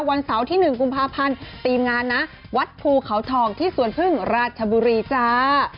วันเสาร์ที่๑กุมภาพันธ์ทีมงานนะวัดภูเขาทองที่สวนพึ่งราชบุรีจ้า